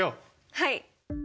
はい。